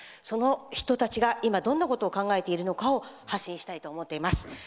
その人たちが今どんなことを考えているのかを発信したいと思っています。